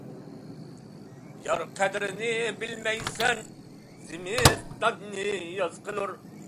يار قەدرىنى بىلمەيسەن، زىمىستاننى ياز قىلۇر.